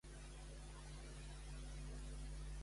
En què ha insistit Oltra?